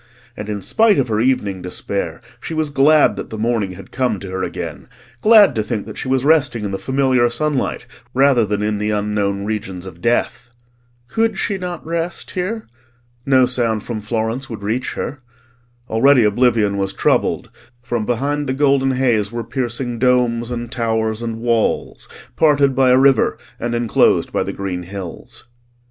And in spite of her evening despair she was glad that the morning had come to her again: glad to think that she was resting in the familiar sunlight rather than in the unknown regions of death. Could she not rest here? No sound from Florence would reach her. Already oblivion was troubled; from behind the golden haze were piercing domes and towers and walls, parted by a river and enclosed by the green hills.